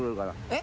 え？